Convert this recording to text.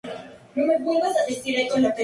Hizo la campaña como ayudante del estado mayor.